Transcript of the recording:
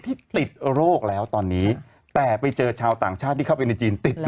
ที่ติดโรคแล้วตอนนี้แต่ไปเจอชาวต่างชาติที่เข้าไปในจีนติด